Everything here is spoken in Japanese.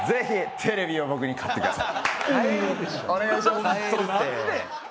「テレビ買ってください」。